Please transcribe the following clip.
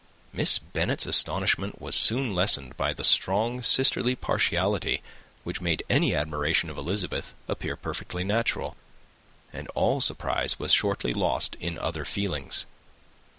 Miss Bennet's astonishment was soon lessened by the strong sisterly partiality which made any admiration of Elizabeth appear perfectly natural; and all surprise was shortly lost in other feelings.